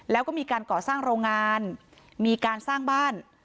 แล้วก็มีการก่อสร้างโรงงานมีการสร้างบ้าน